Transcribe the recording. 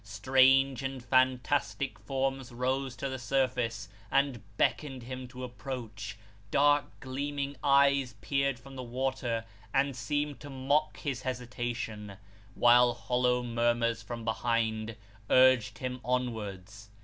Strange and fantastic forms rose to the surface., and beckoned him to approach ; dark gleaming eyes peered from the water, and seemed to mock his hesitation, while hollow murmurs from behind, urged him onwards.